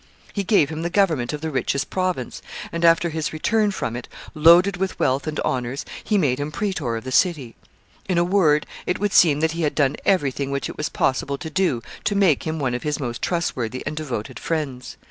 He gave him the government of the richest province, and, after his return from it, loaded with wealth and honors, he made him praetor of the city. In a word, it would seem that he had done every thing which it was possible to do to make him one of his most trustworthy and devoted friends.